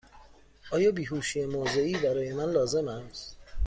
آیا بیهوشی موضعی برای من لازم است؟